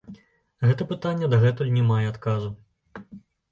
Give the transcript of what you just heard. Гэта пытанне дагэтуль не мае адказу.